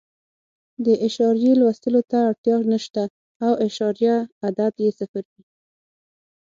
د اعشاریې لوستلو ته اړتیا نه شته او اعشاریه عدد یې صفر وي.